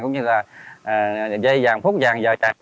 cũng như là dây vàng phút vàng giờ vàng